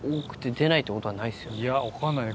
いや分かんないね